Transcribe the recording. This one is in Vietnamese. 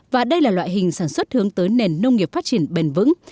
và đây là loại hình sản xuất hướng tới nền nông nghiệp phát triển bền vững